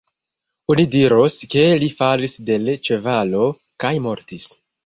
Oni diros, ke li falis de l' ĉevalo kaj mortis.